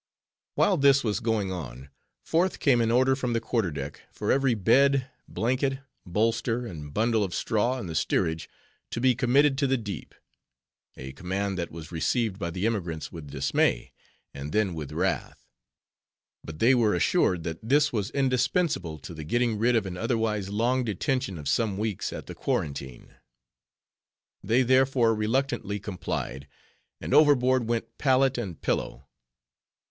While this was going on, forth came an order from the quarter deck, for every bed, blanket, bolster, and bundle of straw in the steerage to be committed to the deep.—A command that was received by the emigrants with dismay, and then with wrath. But they were assured, that this was indispensable to the getting rid of an otherwise long detention of some weeks at the quarantine. They therefore reluctantly complied; and overboard went pallet and pillow.